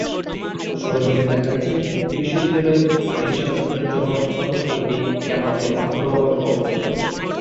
সরেজমিনে দেখা গেছে, বিশ্ববিদ্যালয়ের পানিনিষ্কাশনের জন্য একমাত্র খালটি ক্যাম্পাসের মাঝ বরাবর অবস্থিত।